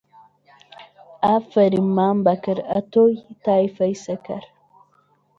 ئافەریم مام بابەکر، ئەتۆی تایفەی سەکر